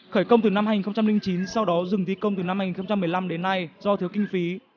khởi công từ năm hai nghìn chín sau đó dừng thi công từ năm hai nghìn một mươi năm đến nay do thiếu kinh phí